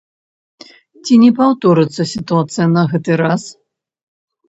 Ці не паўторыцца сітуацыя на гэты раз?